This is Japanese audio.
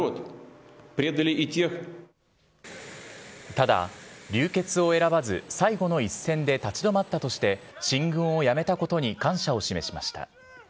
ただ、流血を選ばず、最後の一線で立ち止まったとして、進軍をやめたことに感謝を示しました。